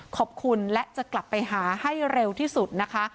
ขอบคุณและจะกลับไปหาให้เร็วที่สุดนะคะ